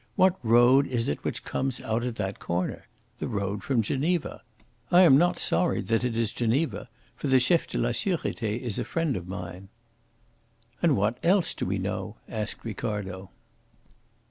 What road is it which comes out at that corner? The road from Geneva. I am not sorry that it is Geneva, for the Chef de la Surete is a friend of mine." "And what else do we know?" asked Ricardo.